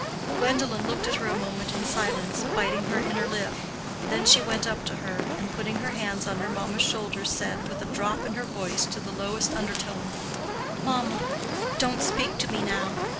Gwendolen looked at her a moment in silence, biting her inner lip; then she went up to her, and putting her hands on her mamma's shoulders, said, with a drop in her voice to the lowest undertone, "Mamma, don't speak to me now.